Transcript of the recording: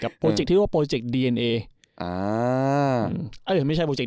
โปรเจคที่เรียกว่าโปรเจคดีเอ็นเออ่าเดี๋ยวไม่ใช่โปรเจค